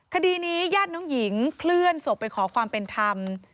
คดีนี้ญาติน้องหญิงเคลื่อนศพไปขอความเป็นธรรม